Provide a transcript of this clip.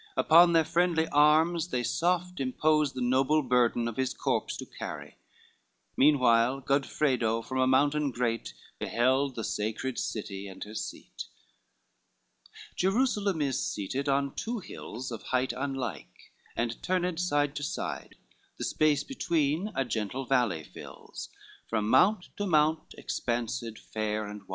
Upon their friendly arms they soft impose The noble burden of his corpse to carry: Meanwhile Godfredo from a mountain great Beheld the sacred city and her seat. LV Hierusalem is seated on two hills Of height unlike, and turned side to side, The space between, a gentle valley fills, From mount to mount expansed fair and wide.